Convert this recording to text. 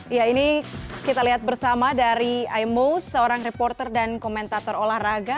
ya ini kita lihat bersama dari imose seorang reporter dan komentator olahraga